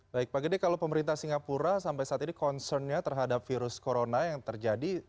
baik pak gede kalau pemerintah singapura sampai saat ini concernnya terhadap virus corona yang terjadi